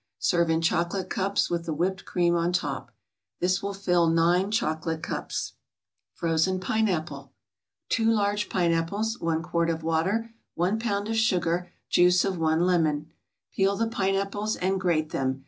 Serve in chocolate cups with the whipped cream on top. This will fill nine chocolate cups. FROZEN PINEAPPLE 2 large pineapples 1 quart of water 1 pound of sugar Juice of one lemon Peel the pineapples and grate them.